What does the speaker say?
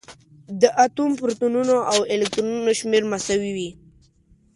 د اتوم پروتونونه او الکترونونه شمېر مساوي وي.